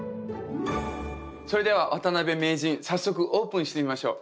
それでは渡辺名人早速オープンしてみましょう。